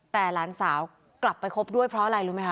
แต่หลานสาวกลับไปคบด้วยเพราะอะไรรู้ไหมค